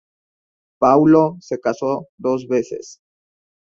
Paulo se casó dos veces.